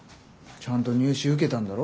ちゃんと入試受けたんだろ。